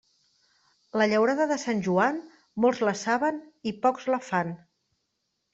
La llaurada de Sant Joan, molts la saben i pocs la fan.